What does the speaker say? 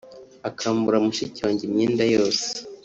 akambura mushiki wanjye imyenda yose